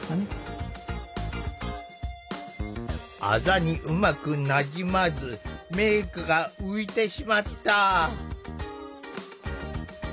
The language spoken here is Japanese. あざにうまくなじまずメークが浮いてしまった。